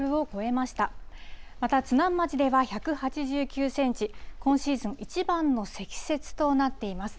また、津南町では１８９センチ、今シーズン一番の積雪となっています。